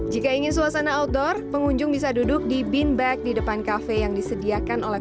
jika ingin suasana outdoor pengunjung bisa duduk di bin bag di depan kafe yang disediakan oleh